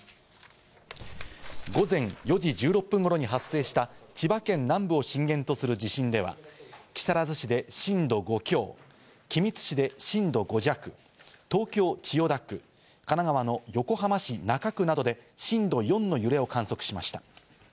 午前４時１６分頃に発生した千葉県南部を震源とする地震では、木更津市で震度５強、君津市で震度５弱、東京・千代田区、神奈川の横浜市中区などで震度４の揺れを観測しました。